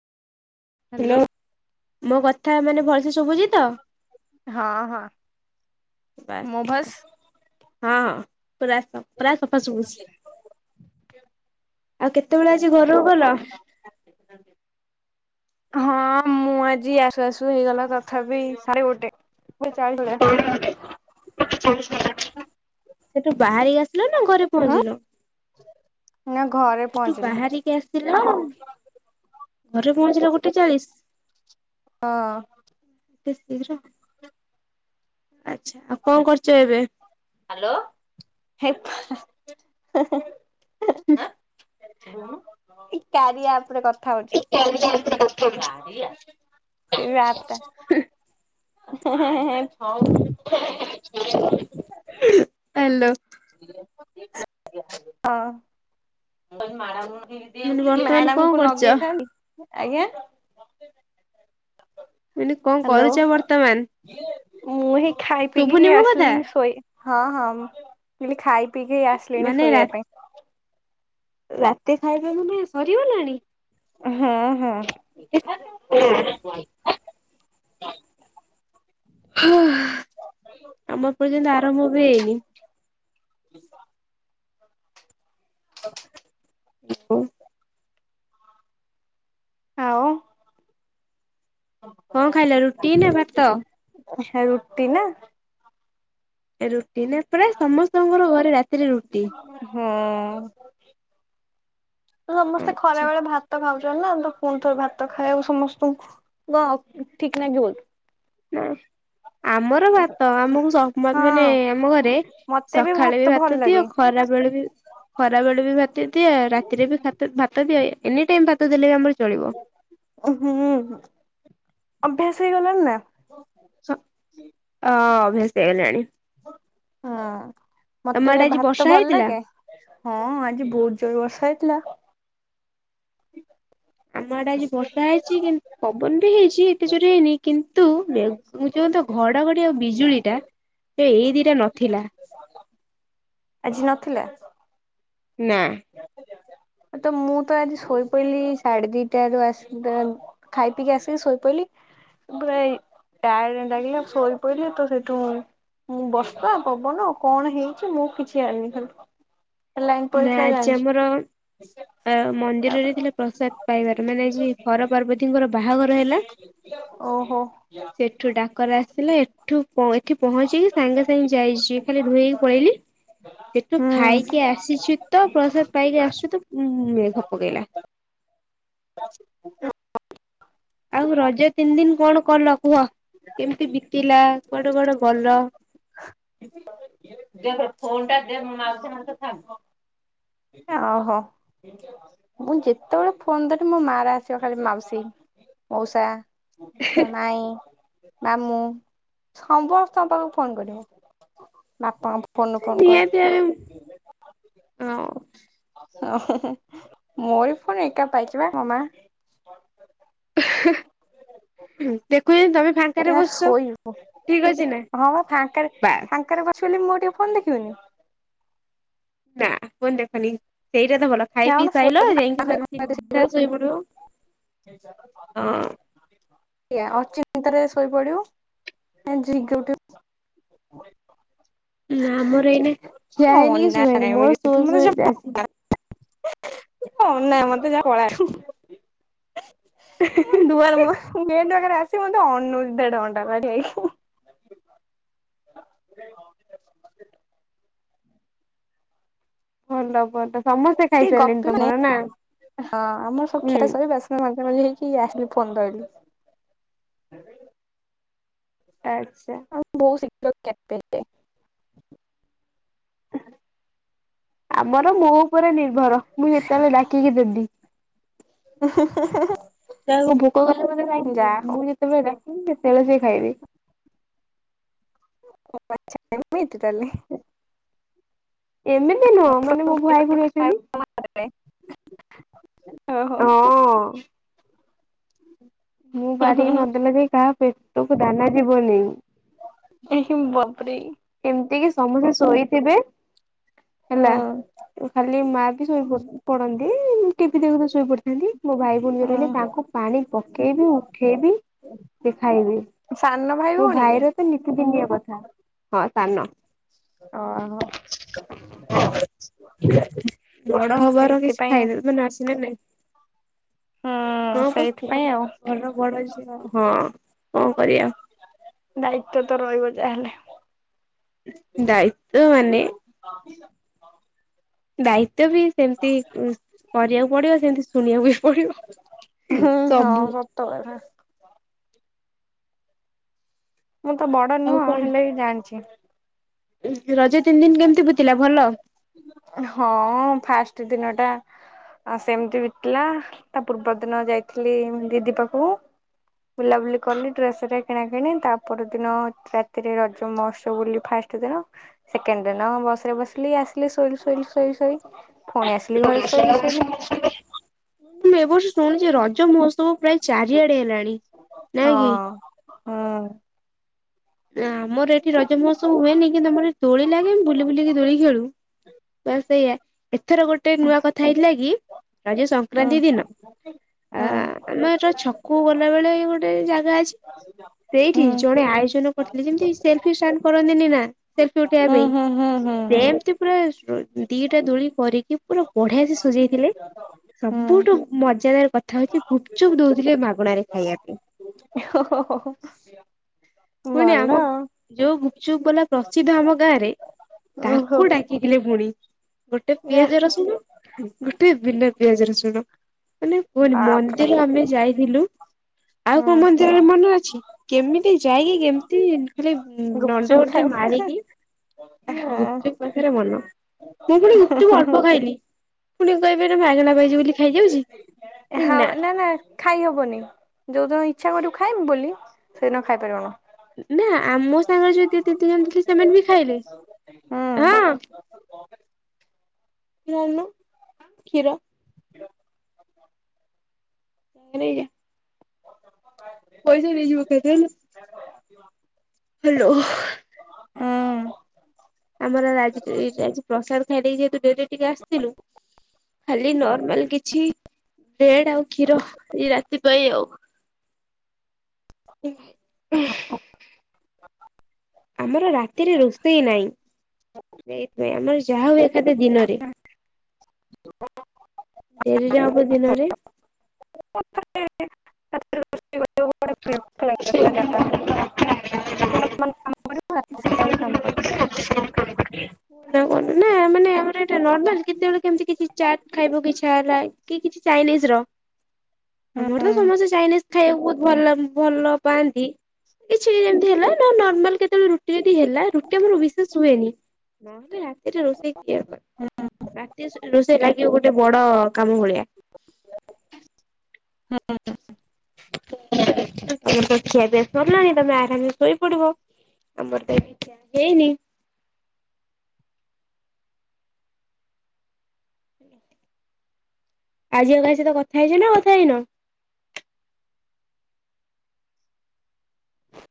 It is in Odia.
ହଲୋ ହ୍ୟାଲୋ ମୋ କଥା ମାନେ ଭଲ ସେ ଶୁଭୁଚି ତ ହଁ ହଁ ମୋ [unintelligible] ଭଏସ ହଁ ପୁରା ସବ୍ ପୁରା ସଫା ଶୁଭୁଛିଆଉ କେତେବେଳେ ଆଜିଘରକୁ ଗଲ? [unintelligible] ହଁ ମୁଁ ଆଜି ଆସୁ ଆସୁ ହେଇଗଲା ତଥାପି ସାଢେ ଗୋଟେ। [unintelligible] [inaudible] ସେଠୁ ବାହାରିକି ଆସିଲ ନା ଘରେ ମୁଁ ପହଞ୍ଚିଲ? ନା ଘରେ ସେଠୁ ପହଞ୍ଚିଲି ବାହାରିକି ଆସିଲ ଘରେ ପହଞ୍ଚିଲ ଗୋଟେ ଚାଳିଶ୍। ହଁ। ଏତେ ଶୀଘ୍ର ଆଛା ଆଉ କଣ କରୁଚ ଏବେ? ହ୍ୟାଲୋ? [unintelligible] [unintelligible] ହ୍ୟାଲୋ ଏଇ କାରିଆ ଆପ୍ ରେ କର ହଉଚି କରିଆ ଏ ଯଉ ଆପ୍ ଟା। [unintelligible] [unintelligible] ପଳେଇ ଆସିଚି। ହଁ। ମାନେ ବର୍ତ୍ତମାନ ମ୍ୟାଡାମ କଣ କୁ କରୁଛ? ନଗେଇଥାନ୍ତି ଆଜ୍ଞା। ଏଇଟି କଣ ହ୍ୟାଲୋ କରୁଛ ବର୍ତ୍ତମାନ। ମୁଁ ହିଁ ଖାଇ ଶୁଭୁନି ପିଇକିି ମୋ କଥା? ଆସିଲିନି ଶୋଇ ହଁ ହଁ। ମୁଁ କଲି ଖାଇ ପିଇିକି ଆସିଲିଣି ମାନେ ରା ଶୋଇବା ପାଇଁ। ରାତି ଖାଇବା ମାନେ ସରିଗଲାଣି। ହଁ ହଁ। ହଁ [unintelligible] ଆମର ତ ଏଇନା ଆରମ୍ଭ ହେଇନି। [inaudible] ଓୋ [unintelligible] ଆଉ କଣ ଖାଇଲେ ରୁଟି ନା ଭାତ। ହେ ରୁଟି ନା। ରୁଟି ନା ପ୍ରାଏ ସମସ୍ତଙ୍କର ଘରେ ରାତିରେ ରୁଟି। ହଁ ତ ସମସ୍ତେ ଖରା ଆଚ୍ଛା। ବେଳେ ଭାତ ଖାଉଚନ୍ତି ନା ତ ପୁଣି ଥର ଭାତ ଖାଇବାକୁ ସମସ୍ତଙ୍କୁ କୁଅ ଆଉ ଠିକ୍ ଲାଗିବ କି। ନା ଆମର ଭାତ ଆମକୁ ସମ ମାନେ ଆମ ହଁ ଘରେ ମତେ ସଖାଳେ ବି ଭଲ ଭାତ ଦିଏ ଲାଗେ। ଖରା ବେଳେ ବି ଖରା ବେଳେ ବି ଭାତ ଦିଏ ରାତିରେ ବି ଭାତ ଭାତ ଦିଏ ଏନି ଟାଇମ୍ ଭାତ ଦେଲେ ବି ଆମର ଚଳିବ। ଆଉ ହୁଁ। ଅଭ୍ୟାସ ହେଇଗଲାଣି ନା। ଅ ଅଭ୍ୟାସ ହେଇଗଲାଣି। ହଁ ତମ ମତେରେ ଆଡେ ଆଜି ବର୍ଷା ଭାତ ଭଲ ହେଇଥିଲା? ଲାଗେ। ହଁ ଆଜି ବହୁତ୍ ଜୋର ବର୍ଷା ହେଇଥିଲା। ଆମ ଆଡେ ଆଜି ବର୍ଷା ହେଇଛି କିନ୍‌ ପବନ ବି ହେଇଛି ଏତେ ଜୋର ହେଇନି କିନ୍ ନ୍ତୁ ଏ ଯୋଉ ତ ଘଡଘଡି ଆଉ ବିଜୁଳି ଟା ଏ ଏରିଆର ନଥିଲା। ଆଜି ନଥିଲା। ନା। ତ ମୁଁ ତ ଆଜି ଶୋଇପଇଲି ସାଢେ ଦିଟା ରୁ ଆସିଡାରୁ ଖାଇ ପିକି ଆସି କି ଶୋଇ ପଇଲି। ଭଇ ଟାଏଡେ ଲାଗିଲା ସୋଇ ପଇଲି ତ ସେଠୁ ମୁଁ ବର୍ଷା ପବନ କଣ ହେଇଛି ମୁଁ କିଛି ଯାଣିନି ଖାଲି ଲାଇନି ପଳେଇ ଥି ଆଜି ଆମର ଅ ମନ୍ଦିର ତାପରେ ଯାଇ ଥିଲେ ପ୍ରସାଦ ପାଇବାର ମାନେ ଆଜି ହର ପାର୍ବତୀଙ୍କର ବାହାଘର ହେଲା। ଅ ସେଠୁ ଡାକରା ଆସିଲେ ଏଠୁ ପଏ ଏଠି ପହଞ୍ଚେଇକି ସାଙ୍ଗେ ସାଙ୍ଗେ ଯାଇଛି ଖାଲି ଧୋଇ ଏକି ପଳେଇଲି ସେଠୁ ହୁଁ ଖାଇକି ଆସ ଆସିଛି ତ ପ୍ରସାଦ ପାଇକି ଆସୁ ତ ଧ ପକେଇଲା। [inaudible] ଆଉ ରଜ ତିନି ଦିନ୍‌ କଣ କଲ କୁହ କେମିତି ବିତିଲା କୁଆଡେ କୁଆଡେ ଗଲ। ଯିଆଡ଼େ ଫୋନଟା ଦେ ମାଉସି ମୋଉସା ଥାଉ। ସେଟା ଅହ ମୁଁ ଯେତେବେଳେ ଫୋନ ଧରିବି ମୋ ମା ର ଆସିବ ଖାଲି ମାଉସୀ ମଉସା ମୋ ମାଇଁ। ମାମୁଁ ସମ୍ବ ସ୍ତ ପାଖକୁ ଫୋନ୍ କରିବ। ବାପାଙ୍କ ଫୋନ୍ ରୁ ଫୋନ୍ ନିହାତି କରେ। ଭାବେ ହଁ ଓ ମୋରି ଫୁଣି ଏକା ପାଇଚିବା ମୋ ମା। [unintelligible] [unintelligible] ଦେଖୁଛ ତମେ ଫାଙ୍କାରେ ଏ ବସୁଛ ଶୋଇବୁ, ଠିକ ଅଛି ନା ହଁ ବା ଫାଙ୍କାରେ ବାସ୍ ଫାଙ୍କାରେ ଅଛି ବୋଲି ମୁଁ ଟିକେ ଫୋନ୍ ଦେଖିବିନି। ନା ଫୋନ୍ ଦେଖନି ସେଇଟା ତ ଭଲ। ଖାଇ ଯାଉନୁ ପିଇ ସାଇିଲ ଶୋଇବୁ ଯାଇକି ପୁରା ସିଧା ଶୋଇପଡିବ, ହଁ-ଅଁ ସିଆ ଅ ଚିନ୍ତାରେ ଶୋଇପଡିବ [unintelligible] ଉଠିବ ନା ଆମର ଏଇନା ଖିଆ ହେଇନି କି ଅନା ଶୁଆଇନି ନାହିଁ ମୋର ମତେ [unintelligible] ହଁ ନାଇଁ ମତେ ଯାହା ପଳା ଦୁଆର ମୁହଁରେ [unintelligible] ସେ ମତେ ଅନ ଦେଢ ଘଣ୍ଟା ଠିଆ ହେଇକି। ଭଲ ଭଲ। ସମସ୍ତେ ଖାଇସାରିଲେଣି ତମର ନା [unintelligible] ହୁଁ [unintelligible] ଆଚ୍ଛା। ହଁ ବହୁତ୍ [unintelligible] ଆମର ମୋ ଉପରେ ନିର୍ଭର, ମୁଁ ଯେତେବେଳେ ଡାକିକି ଦେବି। ତା ଭୋକ [unintelligible] ଯା ହଉ ସେବେ ଡାକିବି ସେ ତେଳ ସଏ ଖାଇବି। [unintelligible] ଏମିତି ନୁହଁ ମାନେ ମୋ ଭାଇ ଭଉଣୀ ରହିଛନ୍ତି। ଓହୋ ହଁ-ଅଁ ମୁଁ ହୁଁ ହୁଁ ବାରିକି ନଦେଲା ଯାଏ କାହା ପେଟକୁ ଦାନା ଯିବନି। [unintelligible] ଏମିତି କି ସମସ୍ତେ ଶୋଇଥିବେ ହେଲା ହଁ-ଅଁ-ଅ ଖାଲି ମା ବି ଶୋଇପ ପଡନ୍ତି ଟିଭିି ଦେଖୁ ଦେଖୁ ଶୋଇ ପଡିଥାନ୍ତି ମୋ ଭାଇ ଭଉଣୀ ଯୋଉ ରହିଲେ ତାଙ୍କୁ ପାଣି ପକେଇବି ଉ ଉଠେଇବି ସେ ଖାଇବେ। ସାନ ଭା ମୋ ଭାଇର ତ ନିତିଦିନିଆ କଥା, ହଁ ସାନ। ଓହୋ। [unintelligible] ବଡ ହବାର କିଛି ସେଇଥିପାଇଁ ହୁଁ ଫାଇଦା ମାନେ ଆଛି ନା ନାଇଁ? ହଁ ପା ସେଇଥିପାଇଁ ଆଉ। ଘରର ବଡ ଝିଅ ହଁ କଣ କରିବା। ଦାୟିତ୍ଵ ତ ରହିବ ଯାହା ହେଲେ। ଦାୟିତ୍ୱ ମାନେ? [inaudible] ଦାୟିତ୍ୱ ବି ସେମ୍ ତି କରିବାକୁ ପଡିବ ସେମିତି ଶୁଣିବାକୁ ବି ପଡିବ, ହୁଁ ସବୁ। [inaudible] ମୁଁ ତ ବଡ ଆଉ ନୁହଁ ହେଲେ ବି ଜାଣିଛି। ରଜ ତିନ୍ ଦିନ୍ କେମିତି ବିତିଲା ଭଲ? ହଁ ଫାଷ୍ଟ ଦିନଟା ଆଉ ସେମିତି ବିତିଲା ତା ପୂର୍ବ ଦିନ ଯାଇଥିଲି ଦିଦି ପାଖକୁ। ବୁଲାବୁଲି କଲି ଡ୍ରେସ ରେ କିଣା କିଣି ତା ପର ଦିନ ରାତିରେ ରଜ ମହୋତ୍ସବ ବୁଲି ଫାଷ୍ଟ ଦିନ ସେକେଣ୍ଡ ଦିନ ବସ ରେ ବସିଲି ଆସିଲି ଶୋଇଲି ଶୋଇଲି ଶୋଇ ଶୋଇ। ପୁଣି ଆସିଲି ଘରେ ଶୋଇଲି ଶୋଇଲି [unintelligible] ମୁଁ କହିଲି ଏ ବର୍ଷ ଶୁଣିୁଛି ରଜ ମହୋତ୍ସବ ପ୍ରାୟ ଚାରିଆଡେ ହେଲାଣି। ନାଇଁ କି ହଁ ହୁଁ। ଆମର ଏଠି ରଜ ମହୋସ୍ ସବୁ ହୁଏନି କି ତମର ଦୋଳି ଲାଗେ ବୁଲି ବୁଲିକି ଦୋଳି ଖେଳୁ ବାସ ସେଇଆ। ଏଥର ଗୋଟେ ନୂଆ କଥା ହେଇଥିଲା କି ରଜ ସଂକ୍ରାନ୍ତି ଦିନ ଆ ହୁଁ ଆମର ଛ କୁ ଗଲା ବେଳେ ଗୋଟେ ଜାଗା ଅଛି ହୁଁ ହୁଁ ସେଇଠି ଜଣେ ଆୟୋଜନ କରିଥିଲି ଯେମିତି ସେଲଫି ଷ୍ଟାଣ୍ଡ କରନ୍ତିନି ନା ସେଲଫି ଉଠେଇବା ହୁଁ ପାଇଁ। ହୁଁ ହୁଁ। ହୁଁ ସେମତି ପୁରା ଦିଟା ଦୋଳି କରିକି ପୁରା ବଢିଆ ସେ ସଜେଇଥିଲେ। ହୁଁ ସବୁଠୁ ହୁଁ ମଜାଦାର କଥା ହଉଛି ଗୁପଚୁପ ଦୋଉଥିଲେ ମାଗଣରେ ଖାଇବା ପାଇଁ। ହୋ ହୋ ହୋ ପୁଣି ଆମ ଯୋଉ ଗୁପଚୁପ ବଲା ପ୍ରସିଦ୍ଧ ଆମ ଗାଁ ରେ ଓହୋ ତାଙ୍କୁ ଡାକଥିଲେ ଫୁଣି। ଗୋଟେ ପିଆଜ ରସୁଣ ଗୋଟେ ବିନା ପିଆଜ ରସୁଣ ମାନେ କୁହନି ବାପରେ ମନ୍ଦିର ଆମେ ଯାଇଥିଲୁ ଆଉ ହୁଁ କଣ ମନ୍ଦିରରେ ମନ ଅଛି କେମିତି ଯାଇକି କେମିତି ଖାଲି ନଣ୍ଡ ଗୁପଚୁପ ଗୋଟେ ମାରିକି ଆହା ଖାଇବ ଗୁପଚୁପ୍ ପାଖରେ ମନ। ମୁଁ ପୁଣି ଗୁପଚୁପ୍ ଅଳପ ଖାଇଲି ପୁଣି କହିବେ ଏରା ମାଗଣା ପାଇଚି ବୋଲି ଖାଇଯାଉଚି। ହଉ ନା ନା ଖାଇ ହବନି ଯୋଉ ଦିନ ଇଚ୍ଛା କରିବୁ ଖାଇମି ବୋଲି ସେଦିନ ଖାଇପାରିବୁନୁ। ନା ଆମ ସାଙ୍ଗରେ ଯୋଉ ଦିଦି ଦିଦି ଥିଲେ ସେମାନେ ବି ଖାଇଲେ ହୁଁ ହଁ ନୋଉନୁ କ୍ଷୀର। ନେଇଯା। ପଇସା ନେଇଯିବ କେ କଇଲା। ହାଲୋ। ହୁଁ ଆମର ଆଜି [unintelligible] ପ୍ରସାଦ ଖାଇଦେଇକି ଯେହେତୁ ଡେରିରେ ଟିକେ ଆସିଥିଲୁ। ଖାଲି ନର୍ମାଲ କିଛି ବ୍ରେଡ ଆଉ କ୍ଷୀର ଏଇ ରାତି ପାଇଁ ଆଉ। ହୁଁ। ଆଉ ଆମର ରାତିରେ ରୋଷେଇ ନାହିଁ। ସେଇଥିପାଇଁ ଆମର ଯାହା ହୁଏ ଖାଲି ଦିନରେ। ଡେରିରେ ହବ ଦିନରେ। [unintelligible] [unintelligible] [unintelligible] ସକାଳୁ କାମ କରେ। [unintelligible] କଣ ନା ମାନେ ଆମର ଏଟା ନର୍ମାଲ କେତେବେଳେ କେମତି କିଛି ଚାଟ୍ ଖାଇବାକୁ ଇଚ୍ଛା ହେଲା। କି କିଛି ଚାଇନିଜ୍ ର ଆମର ତ କରିବୁ। ସମସ୍ତେ ଚାଇନିଜ୍ ଖାଇବାକୁ ବହୁତ୍ ଭଲ ଭଲ ପାଆନ୍ତି। କିଛି ଯେମିତି ହେଲା ନା ନର୍ମାଲ କେତେବେଳେ ରୁଟି ଯଦି ହେଲା ରୁ କି ଆମର ରିସେଶ୍ ହୁଏନି [unintelligible] ରାତିରେ ରୋଷେଇ କିଏ କରିବ? ସେ ଲାଗିବ ଗୋଟେ ବଡ଼ କାମ ଭଳିଆ। ହଁ। ତମର ତ ଖିଆପିଆ ସରିଲାଣି ତମେ ଆରାମରେ ଶୋଇ ପଡ଼ିବ। [unintelligible] ହେଇନି। ଆଜି ଆଉ କାହା ସହିତ କଥା ହେଇଛ ନା କଥା ହେଇନ?